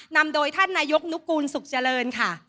นำโดยท่านนายกนุกูลสุขเจริญค่ะ